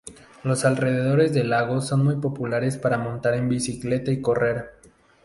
Los alrededores del lago son muy populares para montar en bicicleta y correr.